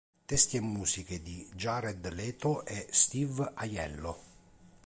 Testi e musiche di Jared Leto e Steve Aiello.